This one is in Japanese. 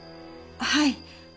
はい。